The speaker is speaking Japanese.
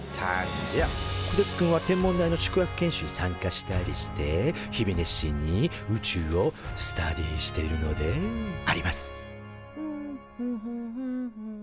こてつくんは天文台の宿泊研修に参加したりして日々熱心に宇宙をスタディーしているのであります